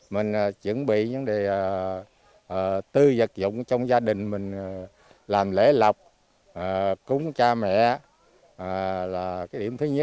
mình chuẩn bị những đề tư vật dụng trong gia đình mình làm lễ lọc cúng cha mẹ là cái điểm thứ nhất